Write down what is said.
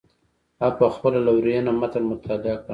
هغه په خپله لورینه متن مطالعه کړ.